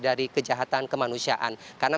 dari kejahatan kemanusiaan karena